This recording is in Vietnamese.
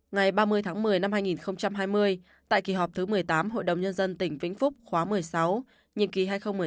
ngày ba mươi tháng một mươi năm hai nghìn hai mươi tại kỳ họp thứ một mươi tám hội đồng nhân dân tỉnh vĩnh phúc khóa một mươi sáu nhiệm kỳ hai nghìn một mươi sáu hai nghìn hai mươi một